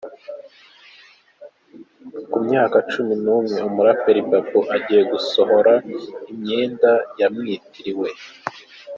Ku myaka cumi numwe umuraperi Babu agiye gusohora imyenda yamwitiriwe